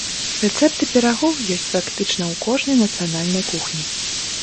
Рэцэпты пірагоў ёсць практычна ў кожнай нацыянальнай кухні.